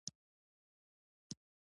د فایبروایډ د رحم ښه تومور دی.